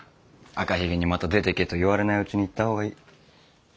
赤ひげにまた出ていけと言われないうちに行った方がいい。